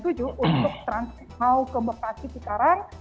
untuk mau ke bekasi sekarang